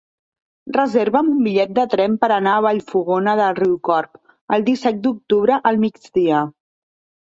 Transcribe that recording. Reserva'm un bitllet de tren per anar a Vallfogona de Riucorb el disset d'octubre al migdia.